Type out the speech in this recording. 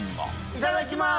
いただきます！